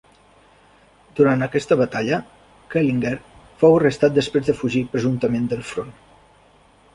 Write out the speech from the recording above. Durant aquesta batalla, Kelliher fou arrestat després de fugir presumptament del front.